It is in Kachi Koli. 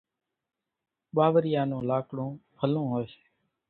ٻاوريئا نون لاڪڙون ڀلون هوئيَ سي۔